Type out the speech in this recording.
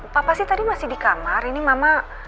papa sih tadi masih di kamar ini mama